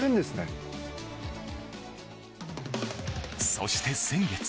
そして先月。